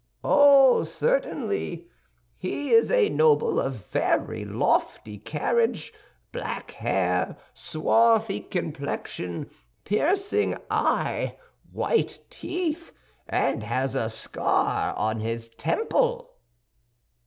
"Oh, certainly; he is a noble of very lofty carriage, black hair, swarthy complexion, piercing eye, white teeth, and has a scar on his temple."